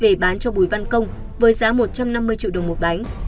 về bán cho bùi văn công với giá một trăm năm mươi triệu đồng một bánh